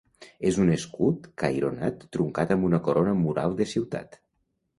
És un escut caironat truncat amb una corona mural de ciutat.